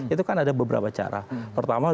itu kan ada beberapa cara pertama